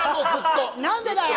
何でだよ！